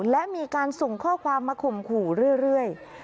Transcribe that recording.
และมีการส่งข้อความมาข่มขู่เรื่อย